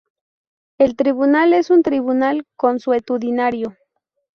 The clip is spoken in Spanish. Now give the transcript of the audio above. El Tribunal es un tribunal consuetudinario.